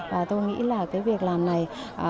và tôi nghĩ là cái việc làm này